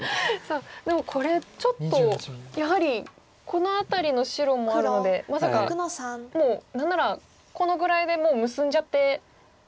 でもこれちょっとやはりこの辺りの白もあるのでまさか何ならこのぐらいでもう結んじゃって。